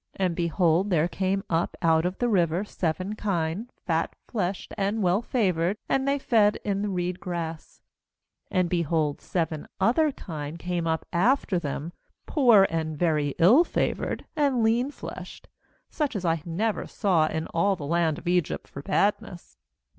18And, behold, there came up out of the river seven kine, fat fleshed That is, the Nile. 50 GENESIS 41.45 and well favoured; and they fed in the reed grass. 19And, behold, seven other kine came up after them, poor and very ill favoured and lean fleshed, such as I never saw in all the land of Egypt for badness.